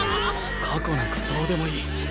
過去なんかどうでもいい。